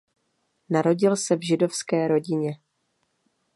Narodil se v židovské rodině.